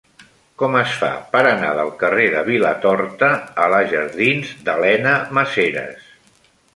Com es fa per anar del carrer de Vilatorta a la jardins d'Elena Maseras?